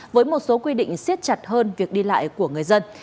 với một số quy định siết chặt hơn việc đi lại của người dân